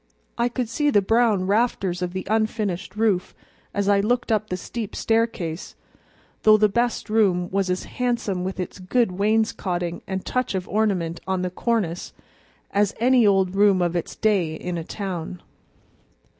I could see the brown rafters of the unfinished roof as I looked up the steep staircase, though the best room was as handsome with its good wainscoting and touch of ornament on the cornice as any old room of its day in a town.